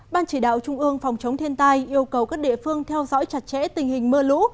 ban chỉ đạo trung ương phòng chống thiên tai yêu cầu các địa phương theo dõi chặt chẽ tình hình mưa lũ